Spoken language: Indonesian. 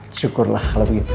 syukurlah kalau begitu